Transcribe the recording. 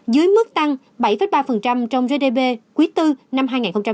dưới mức tăng bảy ba trong gdp quý iv năm hai nghìn một mươi tám